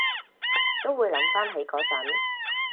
都會諗返起嗰陣